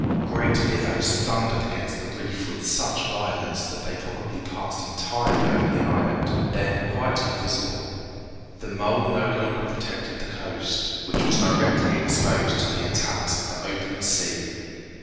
Great billows thundered against the reef with such violence that they probably passed entirely over the islet, then quite invisible. The mole no longer protected the coast, which was directly exposed to the attacks of the open sea.